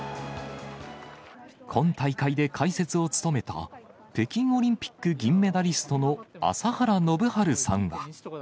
今大会で解説を務めた、北京オリンピック銀メダリストの朝原宣治さんは。